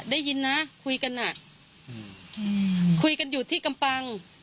ได้ยินนะคุยกันอ่ะคุยกันคุยกันอยู่ที่กำปัง